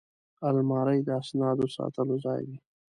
الماري د اسنادو ساتلو ځای وي